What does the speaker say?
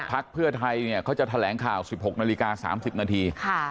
พักเพื่อไทยเนี่ยเขาจะแถลงข่าว๑๖นาฬิกา๓๐นาที